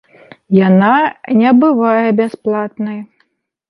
Яна не бывае бясплатнай.